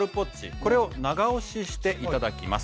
これを長押ししていただきます。